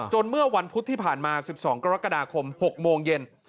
เมื่อวันพุธที่ผ่านมา๑๒กรกฎาคม๖โมงเย็น